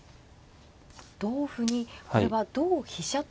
同歩にこれは同飛車と取って。